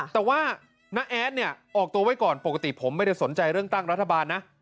แต่ว่าน้าแอดเนี่ยออกตัวไว้ก่อนปกติผมไม่ได้สนใจเรื่องตั้งรัฐบาลนะ